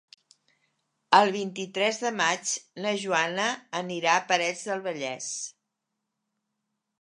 El vint-i-tres de maig na Joana anirà a Parets del Vallès.